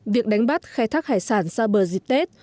việc đánh bắt khai thác hải sản xa bờ dịp tết